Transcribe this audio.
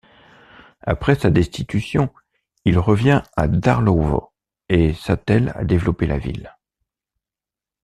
Après sa destitution, il revient à Darłowo et s’attèle à développer la ville.